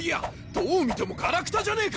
どう見てもガラクタじゃねえか！